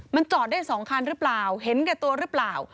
มันจอดได้๒คันหรือเปล่าเห็นแก่ตัวหรือเปล่า